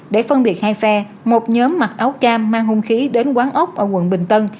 để phân biệt hai xe một nhóm mặc áo cam mang hung khí đến quán ốc ở quận bình tân